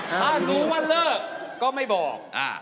ถ้ารู้ว่าเลิกก็ไม่บอก